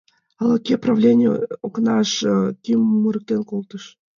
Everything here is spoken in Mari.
Ала-кӧ правлений окнаш кӱм мурыктен колтыш.